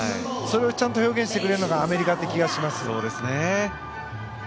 それをちゃんと表現してくれるのがアメリカという気がします。